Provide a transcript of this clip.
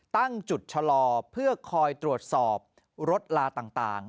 ตั้งจุดชะลอเพื่อคอยตรวจสอบรถลาต่าง